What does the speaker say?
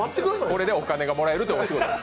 これでお金がもらえるというお仕事。